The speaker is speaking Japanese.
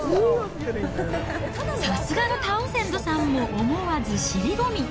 さすがのタウンセンドさんも思わず尻込み。